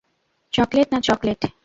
Chocolate না chocolate.